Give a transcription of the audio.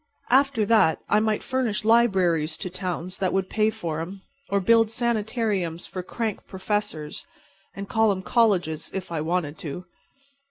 After that I might furnish libraries to towns that would pay for 'em, or build sanitariums for crank professors, and call 'em colleges, if I wanted to.